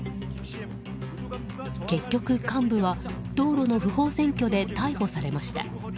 結局、幹部は道路の不法占拠で逮捕されました。